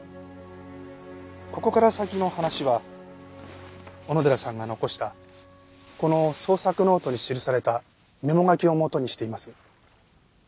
ここから先の話は小野寺さんが残したこの創作ノートに記されたメモ書きを基にしています。